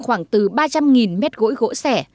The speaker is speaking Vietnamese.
khoảng từ ba trăm linh ha rừng trồng